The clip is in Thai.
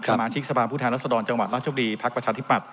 สมาชิกสภาพผู้แทนรัศดรจังหวัดราชบุรีภักดิ์ประชาธิปัตย